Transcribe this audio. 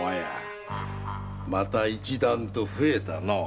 また一段と増えたのう。